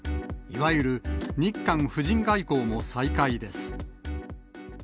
いわゆる日韓夫人外交も再開です。